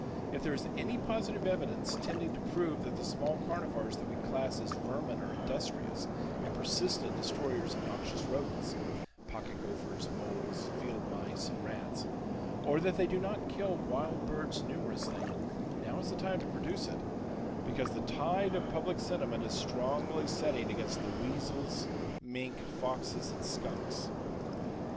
If there is any positive evidence tending to prove that the small carnivores that we class as "vermin" are industrious and persistent destroyers of noxious rodents—pocket gophers, moles, field mice and rats—or that they do not kill wild birds numerously, now is the time to produce it, because the tide of public sentiment is strongly setting against the weasels, mink, foxes and skunks.